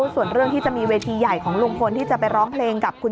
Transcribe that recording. ส่วนเรื่องที่จะมีเวทีใหญ่ของลุงพลที่จะไปร้องเพลงกับคุณ